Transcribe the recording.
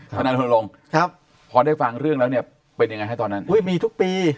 ถนัยลงพอได้ฟังเรื่องแล้วเนี่ยเป็นยังไงให้ตอนนั้นมีทุกปี